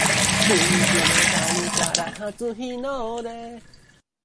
Since then, a number of Cowboys-Broncos matches have been decided in Golden Point.